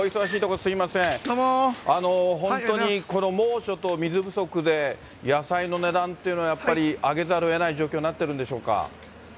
本当にこの猛暑と水不足で、野菜の値段っていうのは、やっぱり上げざるをえない状況になってるんでしょうか。